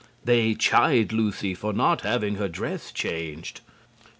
They chide Lucy for not having her dress changed.